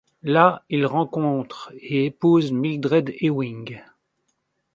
Là, il rencontre et épouse Mildred Ewing.